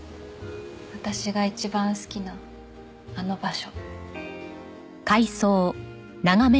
私が一番好きなあの場所。